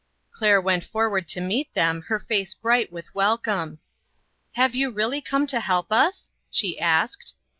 Claire went forward to meet them, her face bright with welcome. " Have you really come to help us ?" she asked.